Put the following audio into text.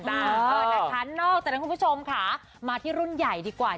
ต้านทางนอกแต่การพูดชมข้ามาที่รุ่นใหญ่ดีกว่า